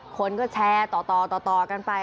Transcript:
คนก็แชร์ต่อกันไป